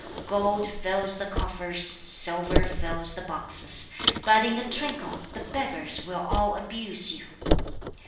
Gold fills the coffers, silver fills the boxes, But in a twinkle, the beggars will all abuse you!